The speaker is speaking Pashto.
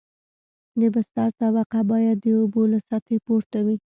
د بستر طبقه باید د اوبو له سطحې پورته وي